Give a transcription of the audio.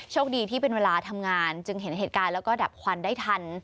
คดีที่เป็นเวลาทำงานจึงเห็นเหตุการณ์แล้วก็ดับควันได้ทัน